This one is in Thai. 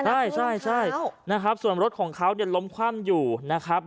ใช่ใช่นะครับส่วนรถของเขาเนี่ยล้มคว่ำอยู่นะครับ